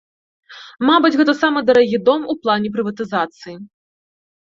Мабыць, гэта самы дарагі дом у плане прыватызацыі.